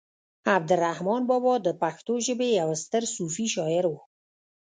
عبد الرحمان بابا د پښتو ژبې يو ستر صوفي شاعر و